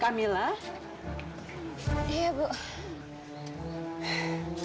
tapi enggak sekarang ya aku mau pergi dulu